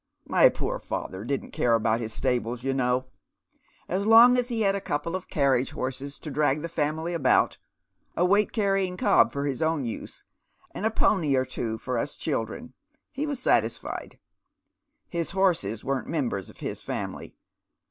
My poor father didn't care about his stables, you know. As long as h» had a couple of carriage horses to drag the family about, a »\reight carrying cob for his own use, and a pony or two for us children, he was satisfied. His horses weren't members of his family.